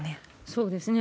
そうですね。